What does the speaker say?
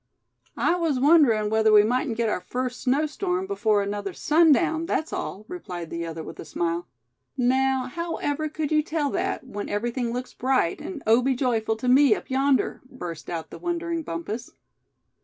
"I was wondering whether we mightn't get our first snow storm before another sundown, that's all," replied the other, with a smile. "Now, however could you tell that, when everything looks bright, and oh be joyful to me up yonder?" burst out the wondering Bumpus.